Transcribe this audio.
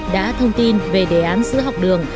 đã thông tin về đề án sữa học đường